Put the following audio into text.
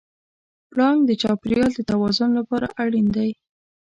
پړانګ د چاپېریال د توازن لپاره اړین دی.